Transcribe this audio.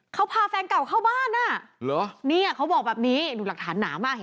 เขาพาแฟนเก่าเข้าบ้าน